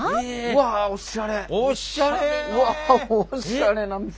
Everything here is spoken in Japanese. うわっおっしゃれな店。